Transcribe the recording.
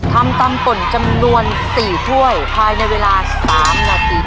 ทำตำป่นจำนวน๔ถ้วยภายในเวลา๓นาที